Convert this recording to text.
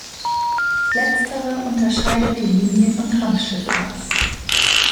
Letztere unterscheidet die Linien- und Trampschifffahrt.